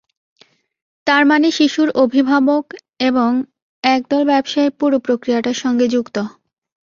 তার মানে, শিশুর অভিভাবক এবং একদল ব্যবসায়ী পুরো প্রক্রিয়াটার সঙ্গে যুক্ত।